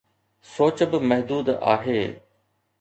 سوچ به محدود آهي.